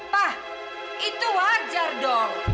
pak itu wajar dong